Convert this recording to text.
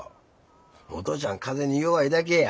お父ちゃん風邪に弱いだけや。